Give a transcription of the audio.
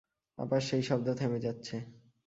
আবার সেই শব্দ থেমে যাচ্ছে।